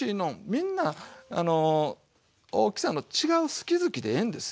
みんな大きさの違う好き好きでええんですよ。